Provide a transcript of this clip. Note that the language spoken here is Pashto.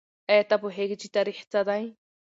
آیا ته پوهېږې چې تاریخ څه دی؟